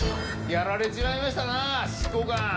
やられちまいましたな執行官。